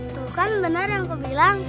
tuh kan benar yang aku bilang